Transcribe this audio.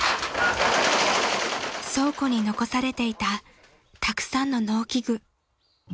［倉庫に残されていたたくさんの農機具］